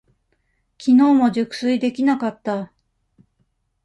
きのうも熟睡できなかった。